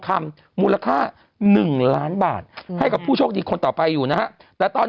มูลค่า๑ล้านบาทให้กับผู้โชคดีคนต่อไปอยู่นะฮะแต่ตอน